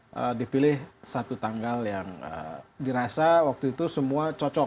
jadi ini dipilih satu tanggal yang dirasa waktu itu semua cocok